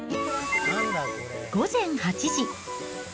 午前８時。